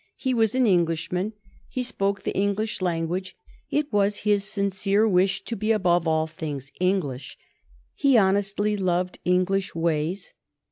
He was an Englishman. He spoke the English language. It was his sincere wish to be above all things English. He honestly loved English ways.